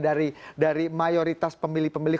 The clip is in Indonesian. dari mayoritas pemilih pemilih